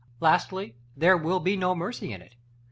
§ LVII. Lastly, there will be no Mercy in it.